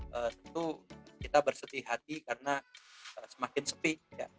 tentu kita bersetih hati karena semakin sepi